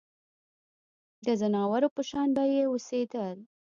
د ځناورو په شان به یې اوسېدل.